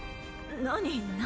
何何？